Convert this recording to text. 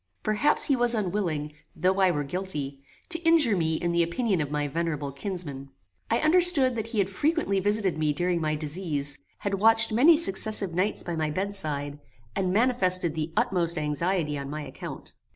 Perhaps he was unwilling, though I were guilty, to injure me in the opinion of my venerable kinsman. I understood that he had frequently visited me during my disease, had watched many successive nights by my bedside, and manifested the utmost anxiety on my account.